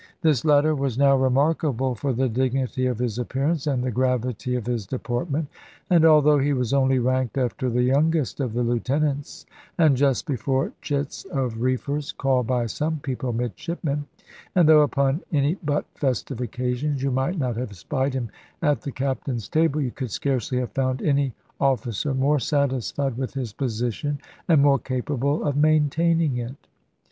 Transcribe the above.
This latter was now remarkable for the dignity of his appearance and the gravity of his deportment; and although he was only ranked after the youngest of the lieutenants, and just before chits of reefers (called by some people "midshipmen"), and though upon any but festive occasions you might not have spied him at the Captain's table, you could scarcely have found any officer more satisfied with his position and more capable of maintaining it.